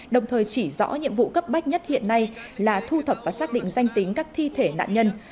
đồng thời chỉ rõ nhiệm vụ cấp bách nhất hiện nay là thu thập và xác định danh tính các thi thể nạn nhân